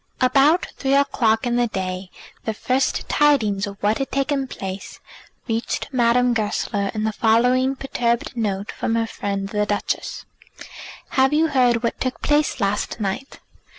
About three o'clock in the day the first tidings of what had taken place reached Madame Goesler in the following perturbed note from her friend the Duchess: "Have you heard what took place last night?